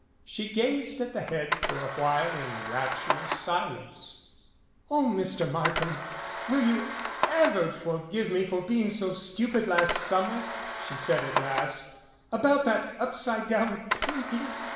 She gazed at the head for a while in rapturous silence. "O Mr. Markham, will you ever forgive me for being so stupid last summer," she said at last, "about that up side down painting?